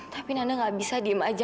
tapi nana gak bisa diem aja